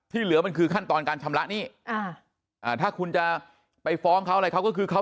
เหลือมันคือขั้นตอนการชำระหนี้ถ้าคุณจะไปฟ้องเขาอะไรเขาก็คือเขา